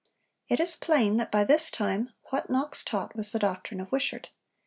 It is plain that by this time what Knox taught was the doctrine of Wishart.